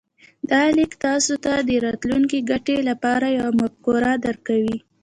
دا ليک تاسې ته د راتلونکې ګټې لپاره يوه مفکوره درکوي.